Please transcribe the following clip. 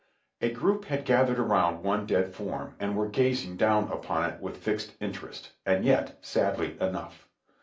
A group had gathered around one dead form, and were gazing down upon it with fixed interest, and yet sadly enough.